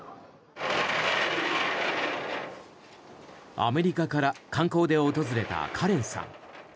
アメリカから観光で訪れたカレンさん。